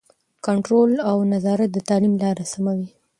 کنټرول او نظارت د تعلیم لاره سموي.